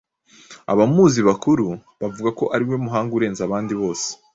abamuzi bakuru bavuga ko ariwe muhanga urenze abandi bose